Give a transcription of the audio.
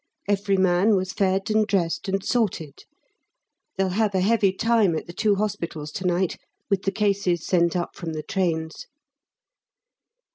Every man was fed, and dressed and sorted. They'll have a heavy time at the two hospitals to night with the cases sent up from the trains.